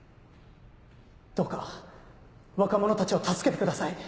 どうか若者たちを助けてください。